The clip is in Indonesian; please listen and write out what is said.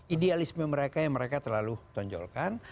idealisme mereka yang mereka terlalu tonjolkan